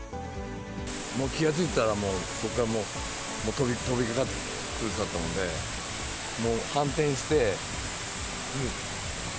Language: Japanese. もう気が付いたらもう、そこからもう飛びかかってきたので、もう、反転して逃げた。